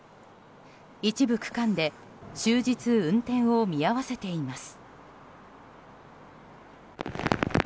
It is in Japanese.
一部区間で終日運転を見合わせています。